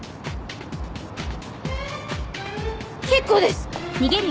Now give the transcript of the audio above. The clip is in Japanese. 結構です！